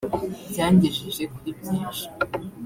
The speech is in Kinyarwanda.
Byangejeje kuri byinshi